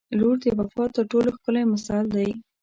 • لور د وفا تر ټولو ښکلی مثال دی.